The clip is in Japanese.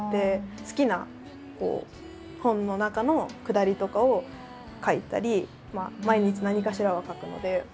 好きな本の中のくだりとかを書いたり毎日何かしらは書くので。